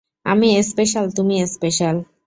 আমি স্পেশাল, তুমি স্পেশাল।